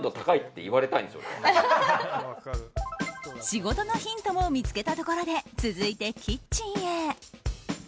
仕事のヒントも見つけたところで続いてキッチンへ。